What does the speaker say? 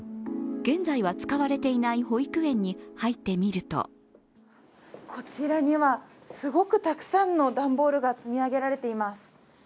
現在は使われていない保育園に入ってみるとこちらには、すごくたくさんの段ボールが積み上げられています。